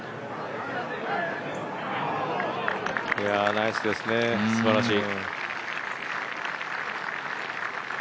ナイスですね、すばらしい。